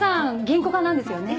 銀行家なんですよね？